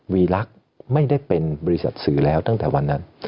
วีรักษ์ไม่ได้เป็นบริษัทสื่อแล้วตั้งแต่วันนั้น